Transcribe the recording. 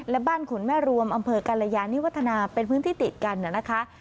และบ้านขุนแม่รวมอำเภอกรยานิวัฒนาเป็นพื้นที่ติดกันนะคะ